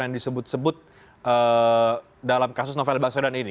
yang disebut sebut dalam kasus novel baswedan ini